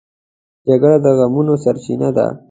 جګړه د غمونو سرچینه ده